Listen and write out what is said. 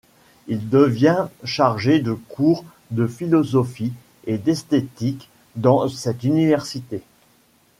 Il devient chargé de cours de philosophie et d'esthétique dans cette université.